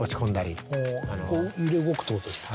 こう揺れ動くってことですか。